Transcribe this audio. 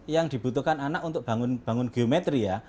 yang dibutuhkan anak untuk bangun geometri ya